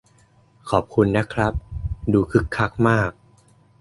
ขอบคุณนะครับ ดูคึกคักมาก